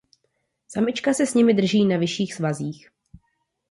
Samička se s nimi drží na vyšších svazích.